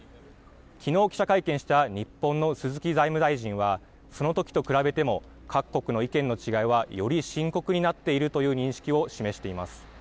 昨日記者会見した日本の鈴木財務大臣はその時と比べても各国の意見の違いはより深刻になっているという認識を示しています。